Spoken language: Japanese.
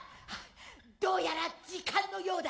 どうやら時間のようだ。